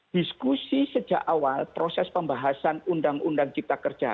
diskusi sejak awal proses pembahasan undang undang cipta kerja